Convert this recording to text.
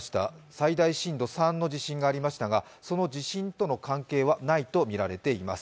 最大震度３の地震がありましたがその地震との関係はないとみられています。